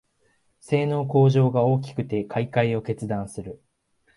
性能向上が大きくて買いかえを決断する